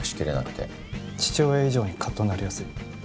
父親以上にかっとなりやすい。